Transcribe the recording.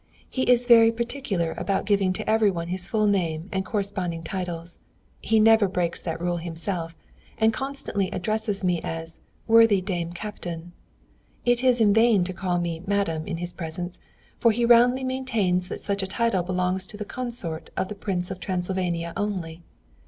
He is very particular about giving to every one his full name and corresponding titles; never breaks that rule himself, and constantly addresses me as 'Worthy dame Captain!' It is in vain to call me 'Madame' in his presence, for he roundly maintains that such a title belongs to the consort of the Prince of Transylvania only.